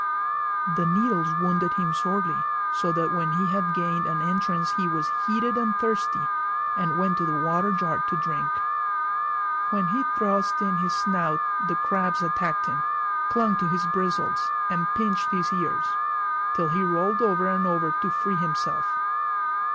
The needles wounded him sorely, so that when he had gained an entrance he was heated and thirsty, and went to the water jar to drink. When he thrust in his snout the crabs attacked him, clung to his bristles, and pinched his ears, till he rolled over and over to free himself.